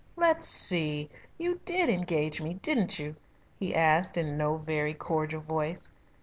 "Let's see! You did engage me, didn't you?" he asked in no very cordial voice.